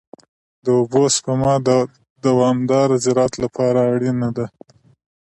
د اوبو سپما د دوامدار زراعت لپاره اړینه ده.